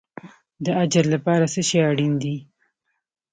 د اجر لپاره څه شی اړین دی؟